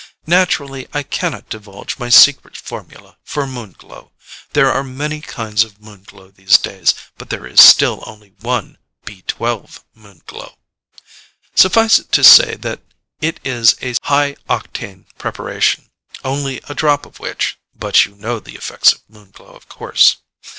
Naturally, I cannot divulge my secret formula for Moon Glow. There are many kinds of Moon Glow these days, but there is still only one B 12 Moon Glow. Suffice it to say that it is a high octane preparation, only a drop of which but you know the effects of Moon Glow, of course.